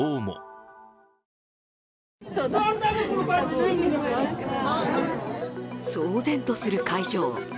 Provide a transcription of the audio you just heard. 騒然とする会場。